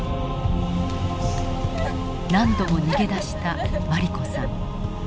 何度も逃げ出した茉莉子さん。